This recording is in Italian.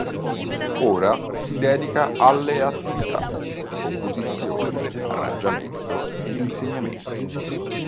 Ora si dedica alle attività di composizione, arrangiamento ed insegnamento.